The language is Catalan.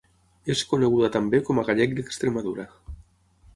És coneguda també com a gallec d'Extremadura.